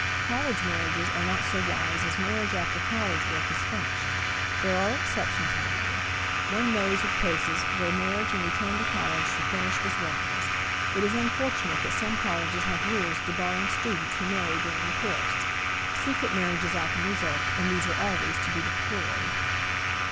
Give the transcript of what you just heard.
College marriages are not so wise as marriage after college work is finished. There are exceptions, however; one knows of cases where marriage and return to college to finish was wise. It is unfortunate that some colleges have rules debarring students who marry during the course; secret marriages often result and these are always to be deplored.